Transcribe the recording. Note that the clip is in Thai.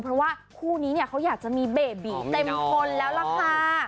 เพราะว่าคู่นี้เนี่ยเขาอยากจะมีเบบีเต็มคนแล้วล่ะค่ะ